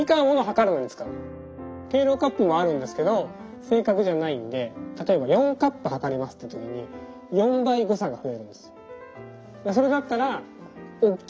計量カップもあるんですけど正確じゃないんで例えば４カップ量りますっていう時に４倍誤差が増えるんです。